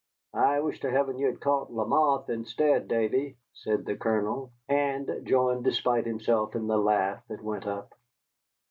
"I wish to heaven you had caught Lamothe instead, Davy," said the Colonel, and joined despite himself in the laugh that went up.